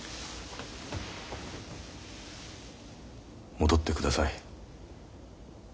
戻ってください。